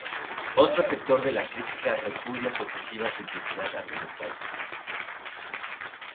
Otro sector de la crítica repudia su excesiva simplicidad argumental.